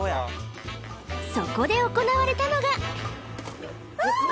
そこで行われたのがああ！